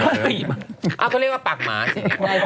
เอาก็เรียกว่าปากหมาสิ